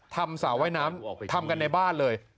สระว่ายน้ำทำกันในบ้านเลย